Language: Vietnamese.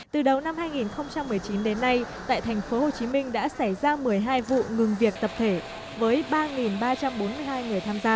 từ đầu năm hai nghìn một mươi chín đến nay tại tp hcm đã xảy ra một mươi hai vụ ngừng việc tập thể với ba ba trăm bốn mươi hai người tham gia